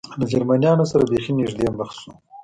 له جرمنیانو سره بېخي نږدې مخ شو.